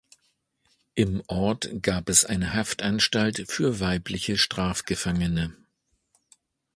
Im Ort gab es eine Haftanstalt für weibliche Strafgefangene.